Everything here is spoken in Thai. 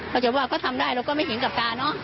เอาจริงว่าก็ทำได้แล้วก็ไม่เห็นกลับตาเนาะ